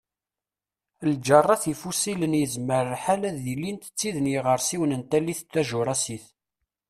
Lǧerrat ifuṣilen yezmer lḥal ad ilint d tid n yiɣersiwen n tallit Tajurasit.